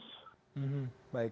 hmm baik pak